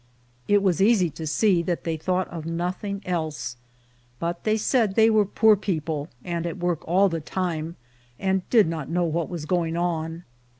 It was easy to see that they thought of nothing else ; but they said they were poor people, and at work all the time, and did not know what was going on.